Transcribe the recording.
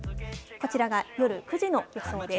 こちらが夜９時の予想です。